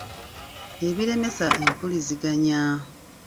ebiremesa empulizigannya